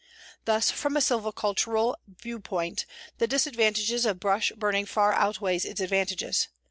"Thus, from a silvicultural viewpoint, the disadvantages of brush burning far outweigh its advantages.